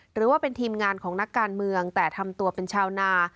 หรือว่าเป็นทีมงานของนักการเมืองแต่ทำตัวเป็นชาวนา